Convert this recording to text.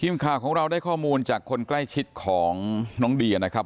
ทีมข่าวของเราได้ข้อมูลจากคนใกล้ชิดของน้องเดียนะครับ